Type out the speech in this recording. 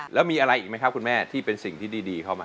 แล้วมีอะไรอีกไหมครับคุณแม่ที่เป็นสิ่งที่ดีเข้ามา